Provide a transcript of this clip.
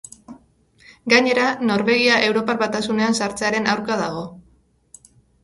Gainera, Norvegia Europar Batasunean sartzearen aurka dago.